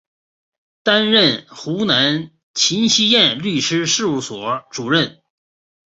担任湖南秦希燕律师事务所主任。